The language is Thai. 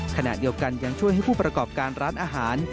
ขณะเดียวกันยังช่วยให้ผู้ประกอบการร้านอาหาร